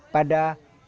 pada rumah rumah kita